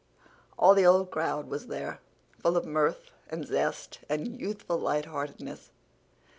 All the "old crowd" was there, full of mirth and zest and youthful lightheartedness.